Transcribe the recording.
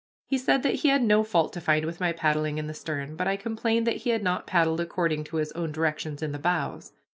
He said that he had no fault to find with my paddling in the stern, but I complained that he did not paddle according to his own directions in the bows.